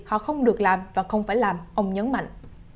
họ không được làm và không phải làm ông nhấn mạnh